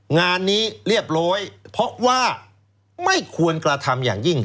งานนี้เรียบร้อยเพราะว่าไม่ควรกระทำอย่างยิ่ง